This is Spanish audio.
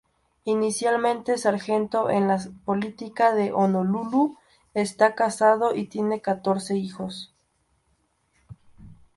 Inicialmente sargento en la policía de Honolulu, está casado y tiene catorce hijos.